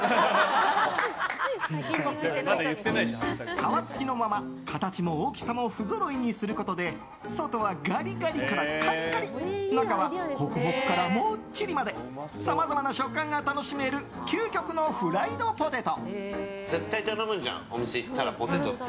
皮付きのまま、形も大きさも不ぞろいにすることで外はガリガリからカリカリ中はホクホクからもっちりまでさまざまな食感が楽しめる究極のフライドポテト。